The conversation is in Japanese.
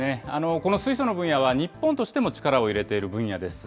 この水素の分野は日本としても力を入れている分野です。